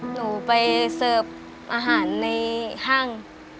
หนูไปเสิร์ฟอาหารในห้าง